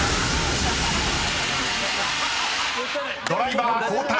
［ドライバー交代］